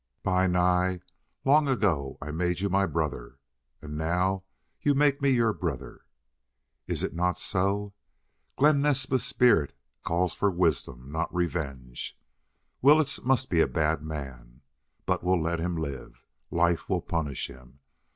"Bi Nai, long ago I made you my brother. And now you make me your brother. Is it not so? Glen Naspa's spirit calls for wisdom, not revenge. Willetts must be a bad man. But we'll let him live. Life will punish him.